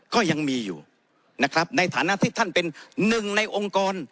ก็ยังมีอยู่นะครับในฐานะที่ท่านเป็นหนึ่งในองค์กร